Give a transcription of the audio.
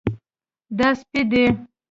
دا سپی دی